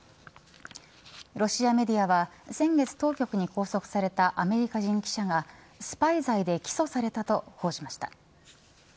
ロシアメディアは先月当局に拘束されたアメリカ人記者がスパイ罪で起訴されたと報じました。